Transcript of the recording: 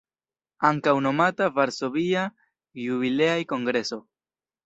Ankaŭ nomata "Varsovia Jubilea Kongreso".